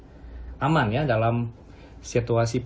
apakah sudah aman ya dalam situasi ini ya